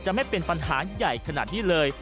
ไม่เป็นปัญหาใหญ่ขนาดนี้เลย